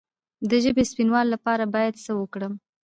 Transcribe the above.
د ژبې د سپینوالي لپاره باید څه وکړم؟